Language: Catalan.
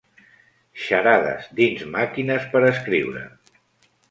Xarades dins Màquines per escriure.